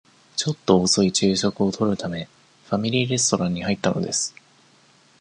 ちょっと遅い昼食をとるため、ファミリーレストランに入ったのです。